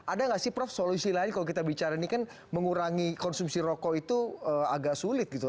ada nggak sih prof solusi lain kalau kita bicara ini kan mengurangi konsumsi rokok itu agak sulit gitu